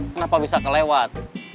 kenapa bisa kelewat